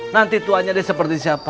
nanti tuanya dia seperti siapa